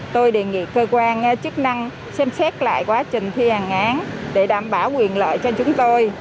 tôi đề nghị cơ quan chức năng xem xét lại quá trình thi hành án để đảm bảo quyền lợi cho chúng tôi